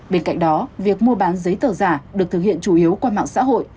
bên cạnh đó việc mua bán giấy tờ giả được thực hiện chủ yếu qua mạng xã hội